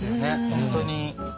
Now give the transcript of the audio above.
本当に。